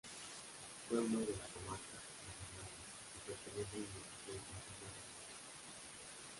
Pueblo de la Comarca de Berlanga que pertenece al municipio de Quintana Redonda.